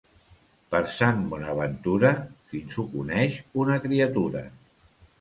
Per Sant Bonaventura fins ho coneix una criatura.